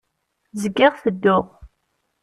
Zgiɣ tedduɣ.